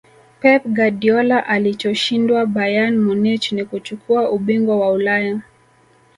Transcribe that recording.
pep guardiola alichoshindwa bayern munich ni kuchukua ubingwa wa ulaya